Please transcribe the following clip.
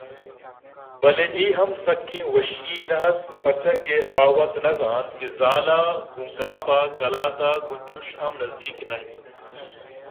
بلئے اے ہم سکیں وشی ئے نہ اَت پرچاکہ آئیءَ وت نہ زانت کہ آزال ءَگوں کاف ءَ قلات ءَ گوں چوش ہم نزّیک نہ اِنت